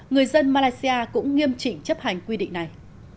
người dân malaysia cũng nghiêm chỉnh chấp hành quy định này